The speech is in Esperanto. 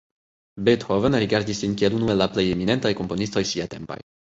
Beethoven rigardis lin kiel unu el la plej eminentaj komponistoj siatempaj.